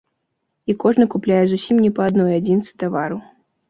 І кожны купляе зусім не па адной адзінцы тавару.